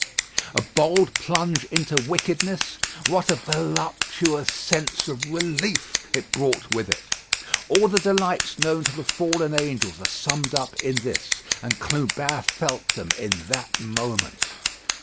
A bold plunge into wickedness what a voluptuous sense of relief it brought with it. All the delights known to the fallen angels are summed up in this; and Clubin felt them in that moment.